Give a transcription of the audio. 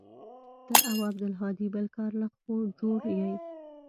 ته او عبدالهادي بل کار له جوړ يې.